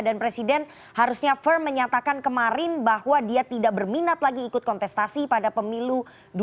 dan presiden harusnya firm menyatakan kemarin bahwa dia tidak berminat lagi ikut kontestasi pada pemilu dua ribu dua puluh empat